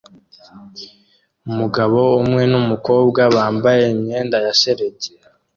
Umuhungu umwe numukobwa bambaye imyenda ya shelegi